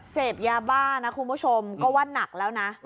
เสพยาบ้านะคุณผู้ชมก็ว่านักแล้วนะ